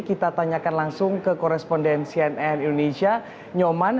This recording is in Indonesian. kita tanyakan langsung ke koresponden cnn indonesia nyoman